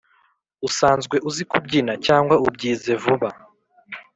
usanzwe uzi kubyina cyangwa ubyize vuba